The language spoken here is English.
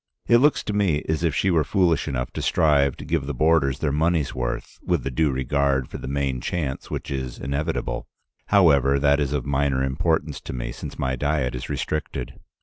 It looks to me as if she were foolish enough to strive to give the boarders their money's worth, with the due regard for the main chance which is inevitable. However, that is of minor importance to me, since my diet is restricted.